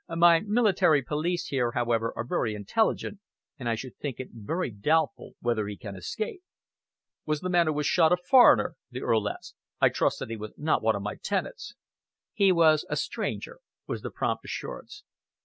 "My military police here, however, are very intelligent, and I should think it very doubtful whether he can escape." "Was the man who was shot a foreigner?" the Earl asked. "I trust that he was not one of my tenants?" "He was a stranger," was the prompt assurance.